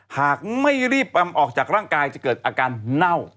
หากไม่รีบออกจากร่างกายจะเกิดอาการเน่า